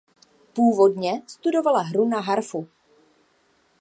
Původně studovala hru na harfu.